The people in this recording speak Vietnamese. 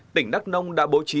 tỉnh đắk nông đã bố trí